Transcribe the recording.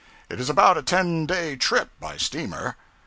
It is about a ten day trip by steamer.